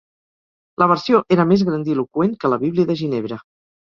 La versió era més grandiloqüent que la Bíblia de Ginebra.